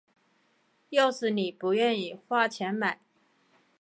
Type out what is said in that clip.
要是妳不愿意花钱买